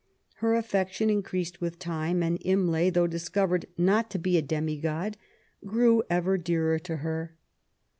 Her affection increased with time, and Imlay, though discovered not to be a demigod, grew ever dearer to her.